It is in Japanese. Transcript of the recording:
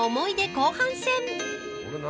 後半戦！